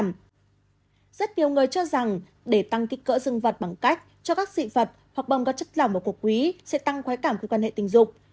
rất nhiều người cho rằng để tăng kích cỡ dân vật bằng cách cho các dị vật hoặc bồng các chất lỏng và cục quý sẽ tăng khói cảm khi quan hệ tình dục